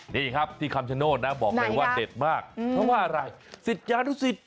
นี่ครับที่คำชโนธนะบอกเลยว่าเด็ดมากเพราะว่าอะไรศิษยานุสิต